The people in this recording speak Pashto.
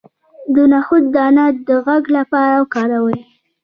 د نخود دانه د غږ لپاره وکاروئ